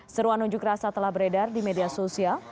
seruan unjuk rasa telah beredar di media sosial